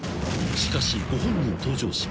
［しかしご本人登場史。